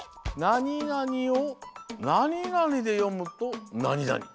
なになにをなになにでよむとなになに。